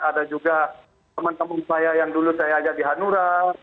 ada juga teman teman saya yang dulu saya ajak di hanura